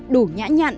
đủ nhã nhặn